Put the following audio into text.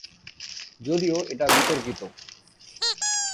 যদিও এটা বিতর্কিত।